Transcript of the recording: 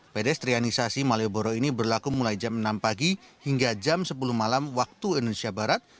pedestrianisasi malioboro ini berlaku mulai jam enam pagi hingga jam sepuluh malam waktu indonesia barat